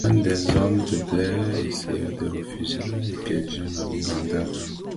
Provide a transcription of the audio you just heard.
L'un des hommes de Blair essayait de ruser et piéger un ami vendeur d'armes.